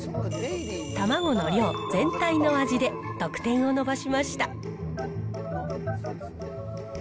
たまごの量、全体の味で得点を伸ばしました。